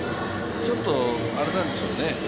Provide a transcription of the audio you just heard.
ちょっとあれなんですよね。